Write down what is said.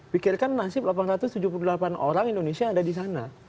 pikirkan nasib delapan ratus tujuh puluh delapan orang indonesia yang ada di sana